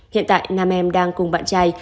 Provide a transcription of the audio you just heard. hiện tại nam em đang cùng bạn trai